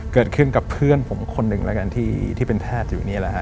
เกิดขึ้นกับเพื่อนผมคนหนึ่งแล้วกันที่เป็นแพทย์อยู่นี่แหละฮะ